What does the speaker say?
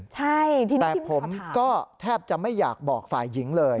แต่ผมก็แทบจะไม่อยากบอกฝ่ายหญิงเลย